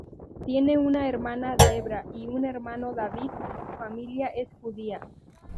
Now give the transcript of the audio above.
Tiene una hermana, Debra, y un hermano, David, y su familia es judía.